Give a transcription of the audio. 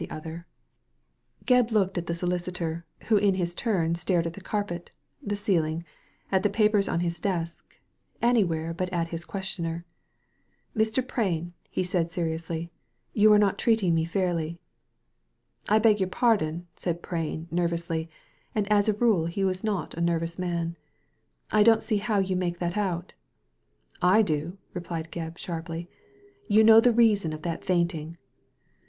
Digitized by Google 122 THE LADY FROM NOWHERE Gebb looked at the solicitor^ who in his turn stared at the carpet, the ceiling, at the papers on his desk ; anywhere but at his questioner. "Mr. Prain," he said seriously, "you are not treat ing me fairly. " I beg your pardon/* said Prain, nervously — ^and as a rule he was not a nervous man, I don't see how you make that out'* "I do!" replied Gebb, sharply. "You know the reason of that fainting.